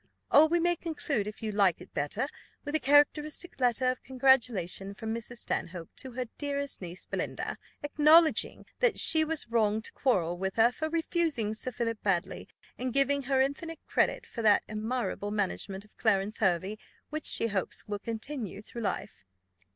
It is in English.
Or, we may conclude, if you like it better, with a characteristic letter of congratulation from Mrs. Stanhope to her dearest niece, Belinda, acknowledging that she was wrong to quarrel with her for refusing Sir Philip Baddely, and giving her infinite credit for that admirable management of Clarence Hervey, which she hopes will continue through life."